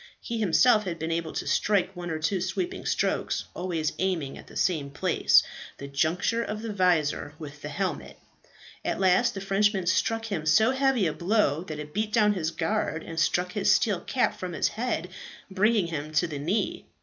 He himself had been enabled to strike one or two sweeping strokes, always aiming at the same place, the juncture of the visor with the helmet. At last the Frenchman struck him so heavy a blow that it beat down his guard and struck his steel cap from his head, bringing him to the knee.